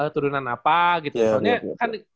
turunan apa gitu soalnya kan